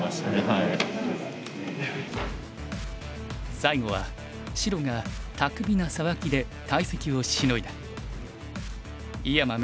最後は白が巧みなサバキで大石をシノいだ。